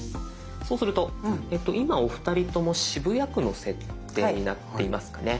そうすると今お二人とも渋谷区の設定になっていますかね。